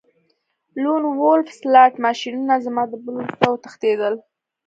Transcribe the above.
لون وولف سلاټ ماشینونه زما د بل وروسته وتښتیدل